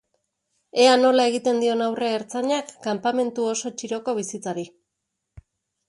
Ea nola egiten dion aurre ertzainak kanpamentu oso txiroko bizitzari.